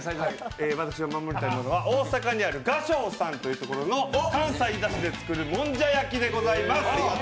私が守りたいものは、大阪にある雅頌さんというところの関西だしで作るもんじゃ焼きでございます！